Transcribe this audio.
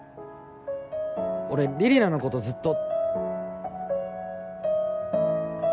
俺李里奈のことずっと。